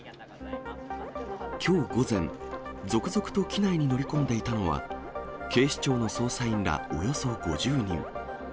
きょう午前、続々と機内に乗り込んでいたのは、警視庁の捜査員らおよそ５０人。